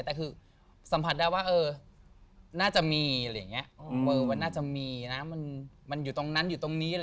แต่คือสัมผัสได้ว่าน่าจะมีมันอยู่ตรงนั้นอยู่ตรงนี้